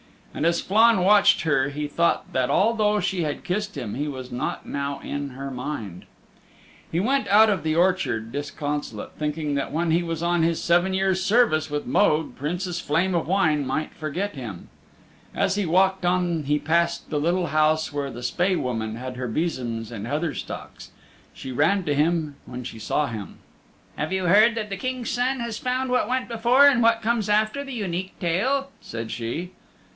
And as Flann watched her he thought that although she had kissed him he was not now in her mind. He went out of the orchard disconsolate, thinking that when he was on his seven years' service with Mogue Princess Flame of Wine might forget him. As he walked on he passed the little house where the Spae Woman had her besoms and heather stalks. She ran to him when she saw him. "Have you heard that the King's Son has found what went before, and what comes after the Unique Tale?" said she.